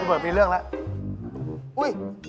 กูเปิดเป็นเรื่องแล้ว